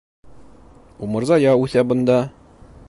Умырзая үҫә бында.